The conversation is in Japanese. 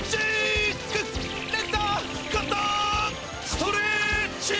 ストレッチ！